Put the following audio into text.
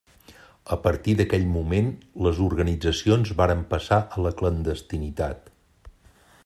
A partir d'aquell moment les organitzacions varen passar a la clandestinitat.